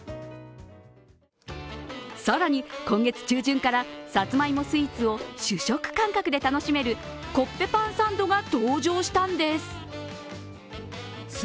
更に今月中旬からさつまいもスイーツを主食感覚で楽しめるコッペパンサンドが登場したんです。